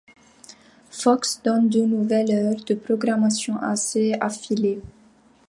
Fox donne deux nouvelles heures de programmation à ses affiliés.